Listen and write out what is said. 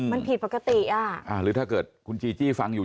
มันผิดปกติอ่ะอ่าหรือถ้าเกิดคุณจีจี้ฟังอยู่